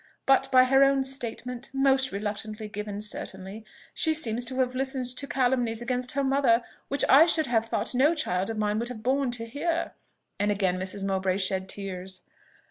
But, by her own statement most reluctantly given, certainly, she seems to have listened to calumnies against her mother, which I should have thought no child of mine would have borne to hear;" and again Mrs. Mowbray shed tears.